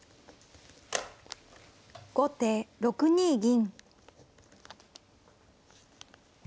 後手６二銀。